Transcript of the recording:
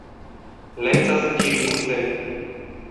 Lez ha segir in cussegl.